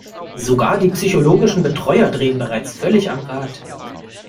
Sogar die psychologischen Betreuer drehen bereits völlig am Rad.